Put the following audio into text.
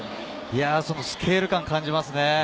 スケール感、感じますね。